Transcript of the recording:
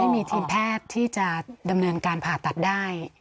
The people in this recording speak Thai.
ทีมแพทย์ที่จะดำเนินการผ่าตัดได้